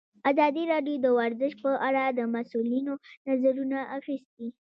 ازادي راډیو د ورزش په اړه د مسؤلینو نظرونه اخیستي.